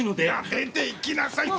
出ていきなさいって。